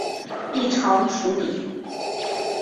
异常处理